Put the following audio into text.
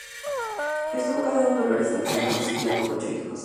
Estuvo casado con Dolores Alcolea Hermosilla, tuvo ocho hijos.